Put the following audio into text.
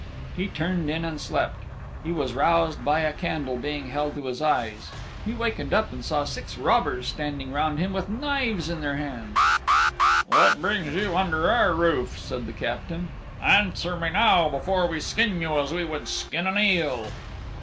He turned in and slept. He was roused by a candle being held to his eyes. He wakened up and saw six robbers standing round him with knives in their hands. "What brings you under our roof?" said the Captain. "Answer me now before we skin you as we would skin an eel."